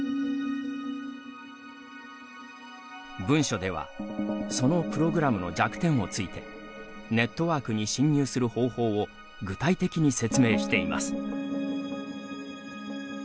文書では、そのプログラムの弱点を突いてネットワークに侵入する方法を具体的に説明しています。